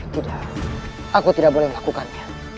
tidak aku tidak boleh melakukannya